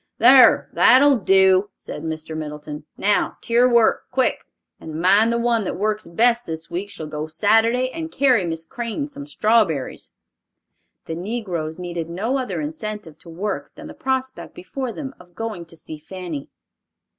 "Thar, that'll do," said Mr. Middleton, "now to your work, quick; and mind the one that works best this week shall go Saturday and carry Miss Crane some strawberries!" The negroes needed no other incentive to work than the prospect before them of going to see Fanny.